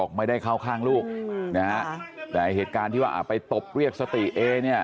ไม่ได้เข้าข้างลูกนะฮะแต่เหตุการณ์ที่ว่าอ่าไปตบเรียกสติเอเนี่ย